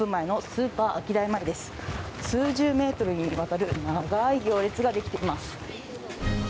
数十メートルにわたる長い行列ができています。